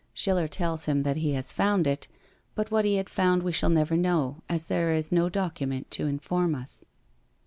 Schiller tells him that he has found it, but what he had found we shall never know, as there is no document to inform us.